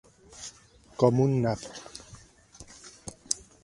Com un nap.